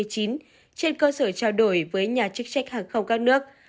trên cơ sở trao đổi với nhà chức trách hàng không các nước